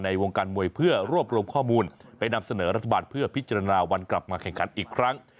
วงการมวยเพื่อรวบรวมข้อมูลไปนำเสนอรัฐบาลเพื่อพิจารณาวันกลับมาแข่งขันอีกครั้ง